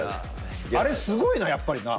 あれすごいなやっぱりな。